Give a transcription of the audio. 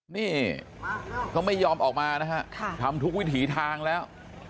นี่เขาไม่ยอมออกมานะฮะทำทุกวิถีทางแล้ว